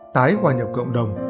tái hoà nhập cộng đồng